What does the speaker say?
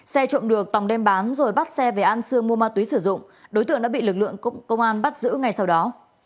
xe trộm được tòng đem bán rồi bắt xe về an sương mua ma túy sử dụng đối tượng đã bị lực lượng công an bắt giữ ngay sau đó